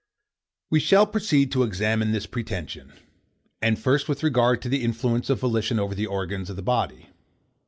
We shall proceed to examine this pretension; and first with regard to the influence of volition over the organs of the body.